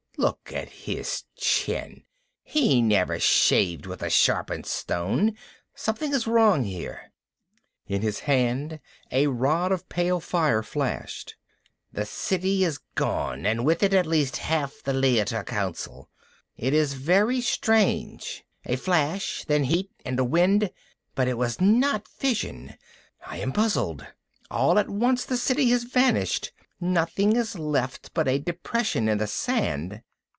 Look at his chin he never shaved with a sharpened stone! Something is wrong here." In his hand a rod of pale fire flashed. "The City is gone, and with it at least half the Leiter Council. It is very strange, a flash, then heat, and a wind. But it was not fission. I am puzzled. All at once the City has vanished. Nothing is left but a depression in the sand."